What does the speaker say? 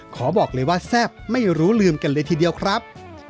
ขอบอกเลยว่าแซ่บไม่รู้ลืมกันเลยทีเดียวครับ